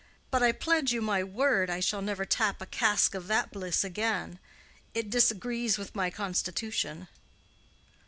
But I pledge you my word I shall never tap a cask of that bliss again. It disagrees with my constitution."